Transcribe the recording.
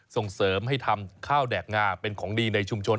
ส่งเสริมให้ทำข้าวแดกงาเป็นของดีในชุมชน